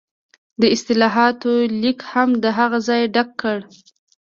د اصلاحاتو لیګ هم د هغه ځای ډک کړ.